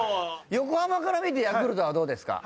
横浜から見てヤクルトはどうですか？